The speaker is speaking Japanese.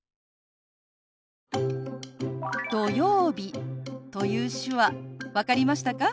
「土曜日」という手話分かりましたか？